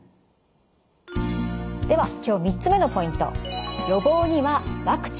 では今日３つ目のポイント。